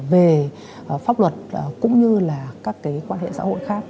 về pháp luật cũng như là các cái quan hệ xã hội khác